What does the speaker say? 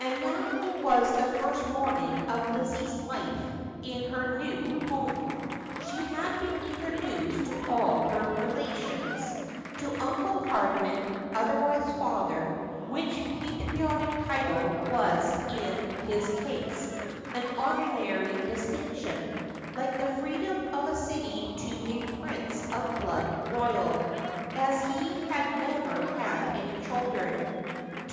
And now it was the first morning of Lizzie's life in her new home. She had been introduced to all her relations — to Uncle Hardman, otherwise Father, which patriarchal title was in his case an honorary distinction, like the freedom of the City to T, prince of the blood royal, as lie had never had any children ; to 'I will never Live under His Boof.'